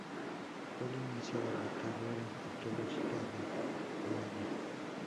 Fue el inicio de la carrera arqueológica de Muelle.